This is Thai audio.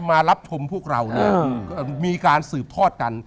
มารับชมพวกเรามีการสืบทอดกัน